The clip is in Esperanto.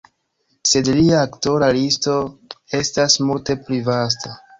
Sed lia aktora listo estas multe pli vasta.